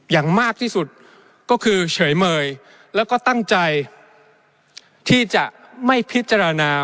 อย่างมากที่สุดก็คือเฉยเมยแล้วก็ตั้งใจที่จะไม่พิจารณา